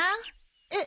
えっ？